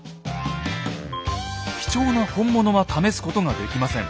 貴重な本物は試すことができません。